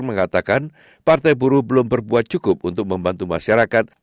mengatakan partai buruh belum berbuat cukup untuk membantu masyarakat